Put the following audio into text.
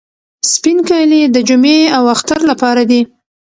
سپین کالي د جمعې او اختر لپاره دي.